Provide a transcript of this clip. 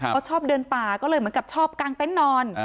เขาชอบเดินป่าก็เลยเหมือนกับชอบกางเต็นต์นอน